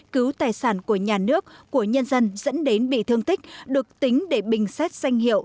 cứu tài sản của nhà nước của nhân dân dẫn đến bị thương tích được tính để bình xét danh hiệu